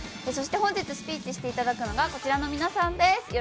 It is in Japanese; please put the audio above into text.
そして本日スピーチしていただくのがこちらの皆さんです。